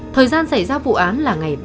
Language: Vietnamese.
thời gian xảy ra vụ án là ngày ba mươi